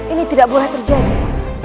ini tidak boleh terjadi